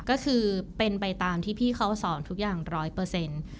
ก็คือเป็นไปตามที่พี่เขาสอนทุกอย่างร้อยเปอร์เซ็นต์